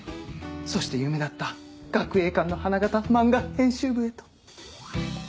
そして夢だった学英館の花形漫画編集部へと。